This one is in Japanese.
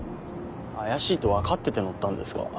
怪しいと分かってて乗ったんですか？